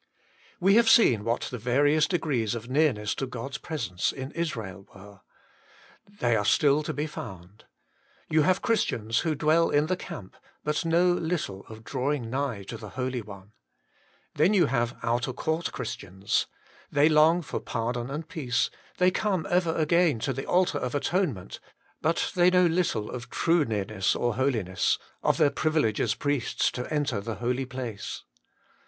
We have seen what the various degrees of nearness to God's Presence in Israel were. They are still to be found. You have Christians who dwell in the camp, but know little of drawing nigh to the Holy One. Then you have outer court Christians : they long for pardon and peace, they come ever again to the altar of atonement; but they know little of true nearness or holiness ; of their privilege as priests to enter the holy place.